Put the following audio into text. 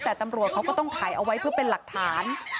แต่ตำรวจเขาก็ต้องถ่ายเอาไว้เพื่อเป็นหลักฐาน